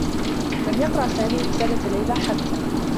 لم يقرأ سامي رسالة ليلى حتّى.